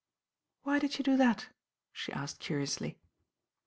Why did you do that?" she asked curiously.